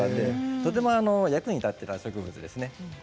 とても役に立っている植物なんですね。